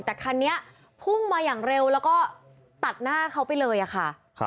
แต่คันนี้พุ่งมาอย่างเร็วแล้วก็ตัดหน้าเขาไปเลยค่ะ